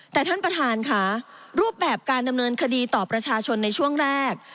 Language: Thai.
แต่ท่านประธานค่ะรูปแบบการดำเนินคดีต่อประชาชนในช่วงแรก